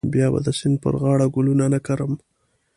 بیا به د سیند پر غاړه ګلونه نه کرم.